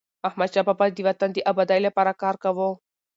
احمدشاه بابا د وطن د ابادی لپاره کار کاوه.